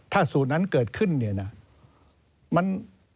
ถ้าสูตรนั้นเกิดขึ้น